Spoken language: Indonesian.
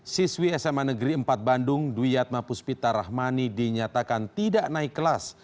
siswi sma negeri empat bandung dwiatma puspita rahmani dinyatakan tidak naik kelas